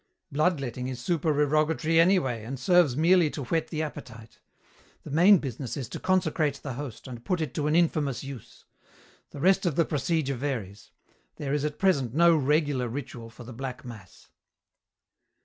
Bloodletting is supererogatory anyway, and serves merely to whet the appetite. The main business is to consecrate the host and put it to an infamous use. The rest of the procedure varies. There is at present no regular ritual for the black mass."